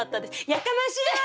やかましいわ！